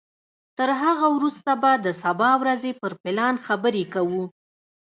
تر هغه وروسته به د سبا ورځې پر پلان خبرې کوو.